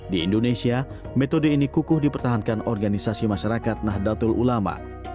di indonesia metode ini kukuh dipertahankan organisasi masyarakat nahdlatul ulama